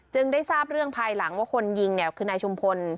จึงได้ทราบเรื่องภายหลังว่าคนยิงคือในชุมพล